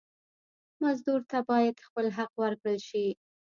مزدور ته باید خپل حق ورکړل شي.